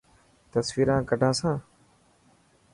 تصويران ڪڌا سان.